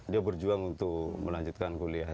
dia berjuang untuk melanjutkan kuliah